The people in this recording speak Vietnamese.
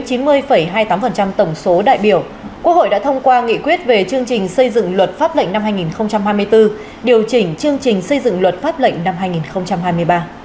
tổng số đại biểu quốc hội đã thông qua nghị quyết về chương trình xây dựng luật pháp lệnh năm hai nghìn hai mươi bốn điều chỉnh chương trình xây dựng luật pháp lệnh năm hai nghìn hai mươi ba